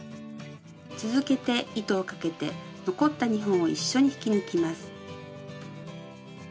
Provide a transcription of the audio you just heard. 続けて糸をかけて残った２本を一緒に引き抜きます。